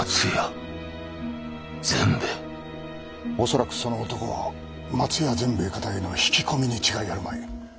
恐らくその男は松屋善兵衛方への引き込みに違いあるまい。